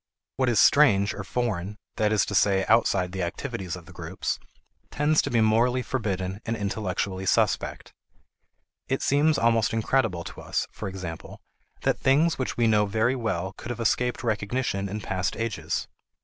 What is strange or foreign (that is to say outside the activities of the groups) tends to be morally forbidden and intellectually suspect. It seems almost incredible to us, for example, that things which we know very well could have escaped recognition in past ages.